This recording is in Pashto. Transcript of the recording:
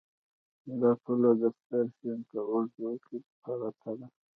دا پوله د ستر سیند په اوږدو کې پرته ده.